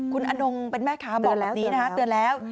คุณอนงเป็นแม่ค้าบอกแบบนี้นะคะเตือนแล้ว